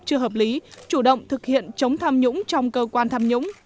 chưa hợp lý chủ động thực hiện chống tham nhũng trong cơ quan tham nhũng